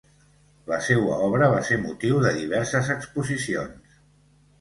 La seua obra va ser motiu de diverses exposicions.